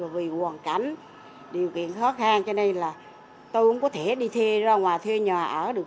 vì hoàn cảnh điều kiện khó khăn cho nên là tôi cũng có thể đi thuê ra ngoài thuê nhà ở được